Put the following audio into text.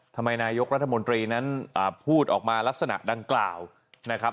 นายกรัฐมนตรีนั้นพูดออกมาลักษณะดังกล่าวนะครับ